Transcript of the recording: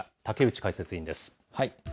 竹内解説委員です。